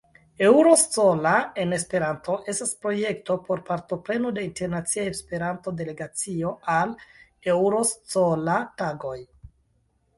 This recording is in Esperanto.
Euroscola-en-Esperanto estas projekto por "partopreno de internacia Esperanto-delegacio al Euroscola-tagoj".